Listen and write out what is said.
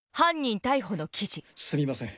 すみません